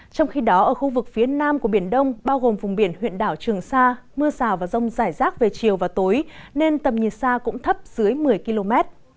trong khi đó ở khu vực phía nam của biển đông bao gồm vùng biển huyện đảo trường sa mưa rào và rông rác về chiều và tầm nhiệt sa cũng thấp dưới một mươi km